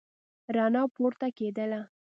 رڼا پورته کېدله.